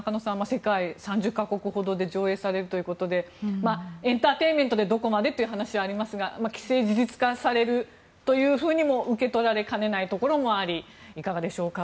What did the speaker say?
世界３０か国ほどで上映されるということでエンターテインメントでどこまでという形はありますが既成事実化されるというふうにも受け取られかねないところもありいかがでしょうか。